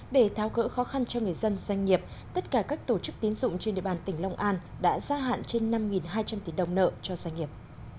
để tháo gỡ khó khăn cho người dân doanh nghiệp tất cả các tổ chức tín dụng trên địa bàn tỉnh long an đã gia hạn trên năm hai trăm linh tỷ đồng nợ cho doanh nghiệp